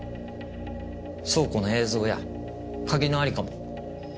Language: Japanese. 倉庫の映像や鍵の在りかも。